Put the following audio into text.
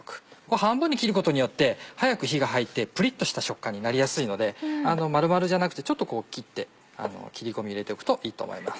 半分に切ることによって早く火が入ってプリっとした食感になりやすいので丸々じゃなくてちょっとこう切って切り込み入れておくといいと思います。